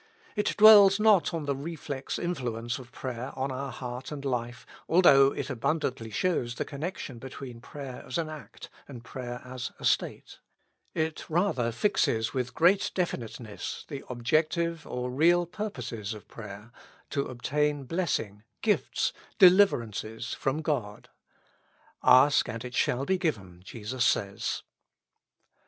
It dwells not on the reflex influence of prayer on our heart and Hfe, although it abundantly shows the connection be tween prayer as an act, and prayer as a state. It rather fixes with great definiteness the objective or real purposes of prayer, to obtain blessing, gifts, 141 With Christ in the School of Prayer. deUverances from God. * Ask and it shall be given,' Jesus says.